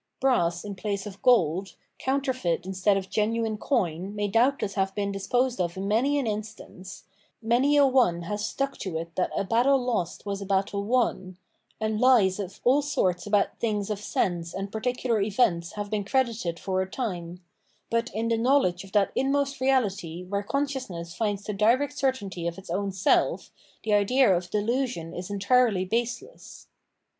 Brass in place of gold, counterfeit instead of genuine coin may doubtless have been disposed of in many an instance ; many a one has stuck to it that a battle lost was a battle won; and lies of all sorts about things of sense and particular events have been credited for a time ; but in the knowledge of that inmost reahty where consciousness finds the direct certainty of its own sell, the idea of delusion is entirely baseless.